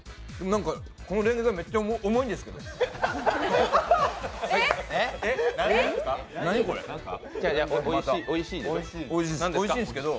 なんか、このれんげがめっちゃ重いんですけど。